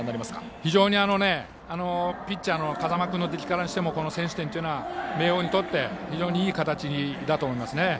非常にピッチャーの風間君の出来からしてもこの先取点は、明桜にとって非常にいい形だと思いますね。